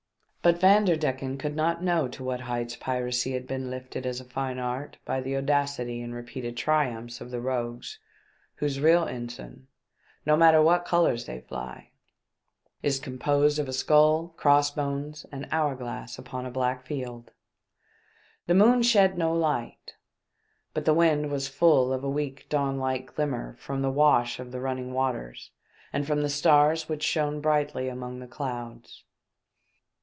But Vanderdecken could not know to what heights piracy had been lifted as a fine art by the audacity and repeated triumphs of the rogues whose real ensign, no matter what other colours they fly, is composed of a skull, cross bones and hour glass upon a black field. The moon shed no light ; but the wind was full of a weak dawn like glimmer from the wash of the running waters and from the stars which shone brightly among the clouds.